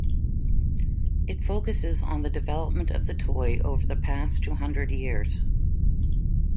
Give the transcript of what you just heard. It focuses on the development of the toy over the past two hundred years.